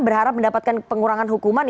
berharap mendapatkan pengurangan hukuman